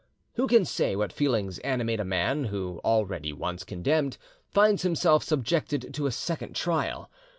Who can say what feelings animate a man who, already once condemned, finds himself subjected to a second trial?